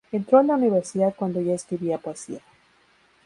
Entró a la universidad cuando ya escribía poesía.